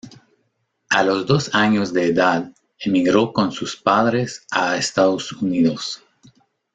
A los dos años de edad emigró con sus padres a Estados Unidos.